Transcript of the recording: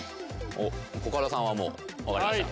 おコカドさんはもう分かりました？